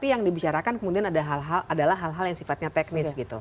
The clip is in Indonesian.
yang dibicarakan kemudian adalah hal hal yang sifatnya teknis